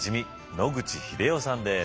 野口英世さんです。